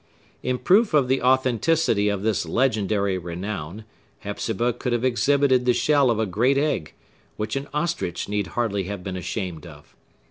In proof of the authenticity of this legendary renown, Hepzibah could have exhibited the shell of a great egg, which an ostrich need hardly have been ashamed of.